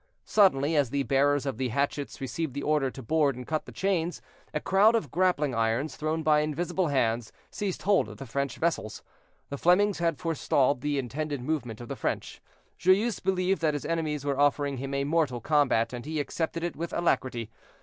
Suddenly, as the bearers of the hatchets received the order to board and cut the chains, a crowd of grappling irons, thrown by invisible hands, seized hold of the French vessels. The Flemings had forestalled the intended movement of the French. Joyeuse believed that his enemies were offering him a mortal combat, and he accepted it with alacrity.